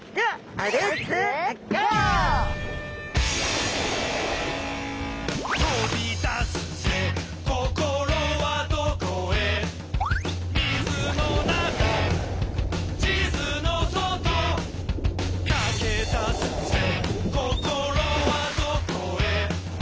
「飛び出すぜ心はどこへ」「水の中地図の外」「駆け出すぜ心はどこへ」